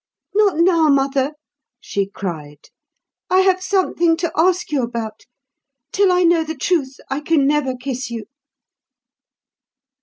"Not now, mother!" she cried. "I have something to ask you about. Till I know the truth, I can never kiss you."